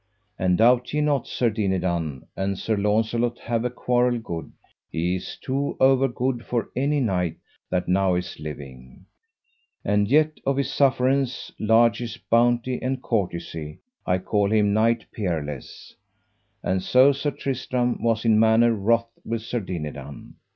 And doubt ye not Sir Dinadan, an Sir Launcelot have a quarrel good, he is too over good for any knight that now is living; and yet of his sufferance, largess, bounty, and courtesy, I call him knight peerless: and so Sir Tristram was in manner wroth with Sir Dinadan.